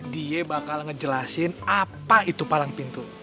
dia bakal ngejelasin apa itu palang pintu